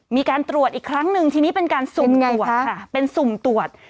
มีการตรวจอีกครั้งหนึ่งทีนี้เป็นการสุ่มตรวจค่ะเป็นสุ่มตรวจ